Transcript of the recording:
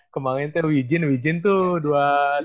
kemarin teruijin wijin tuh dua puluh tiga ya